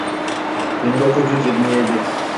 Bin dokuz yüz yirmi yedi.